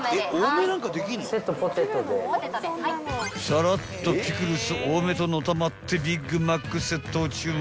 ［さらっとピクルス多めとのたまってビッグマックセットを注文］